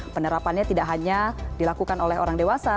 penerapannya tidak hanya dilakukan oleh orang dewasa